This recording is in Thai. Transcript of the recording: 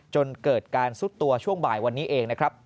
จนเกิดการซุดตัวช่วงบ่ายวันนี้เองนะครับ